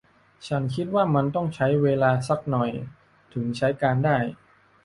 ฉันคิดว่ามันต้องใช้เวลาซักหน่อยถึงใช้การได้